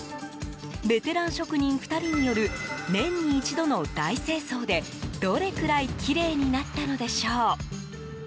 ベテラン職人２人による年に一度の大清掃でどれくらいきれいになったのでしょう？